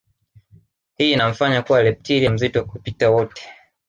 Hii inamfanya kuwa reptilia mzito kupita wote